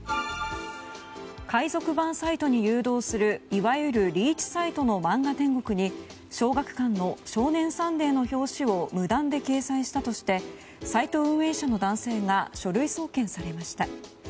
海賊版サイトに誘導するいわゆるリーチサイトの漫画天国に、小学館の「少年サンデー」の表紙を無断で掲載したとしてサイト運営者の男性が書類送検されました。